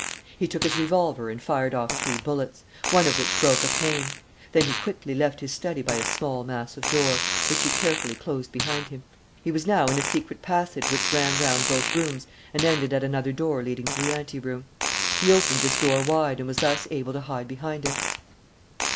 He took his revolver and fired off three bullets, one of which broke a pane. Then he quickly left his study by a small, massive door, which he carefully closed behind him. He was now in a secret passage which ran round both rooms and ended at another door leading to the anteroom. He opened this door wide and was thus able to hide behind it.